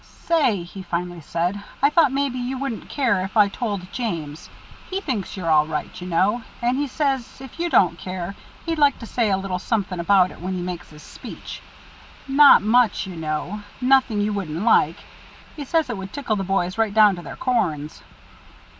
"Say," he finally said; "I thought maybe you wouldn't care if I told James. He thinks you're all right, you know. And he says, if you don't care, he'd like to say a little something about it when he makes his speech. Not much, you know nothing you wouldn't like he says it would tickle the boys right down to their corns."